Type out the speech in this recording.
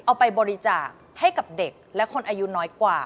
เอาไปบริจาคให้กับเด็กและคนอายุน้อยกว่า